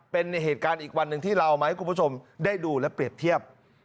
เป็นเหตุการณ์อีกวันหนึ่งที่เราเอามาให้คุณผู้ชมได้ดูและเปรียบเทียบ